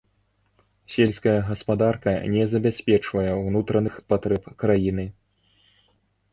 Сельская гаспадарка не забяспечвае ўнутраных патрэб краіны.